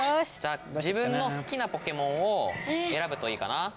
じゃあ自分の好きなポケモンを選ぶといいかな。